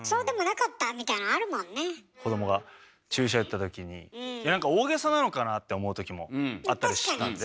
子どもが注射打った時になんか大げさなのかなって思う時もあったりしたんで。